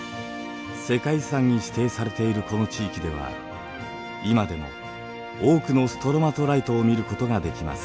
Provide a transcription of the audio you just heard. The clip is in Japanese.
世界遺産に指定されているこの地域では今でも多くのストロマトライトを見ることができます。